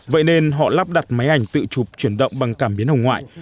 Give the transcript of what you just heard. vậy nên họ lắp đặt máy ảnh tự chụp chuyển động bằng cảm biến hồng ngoại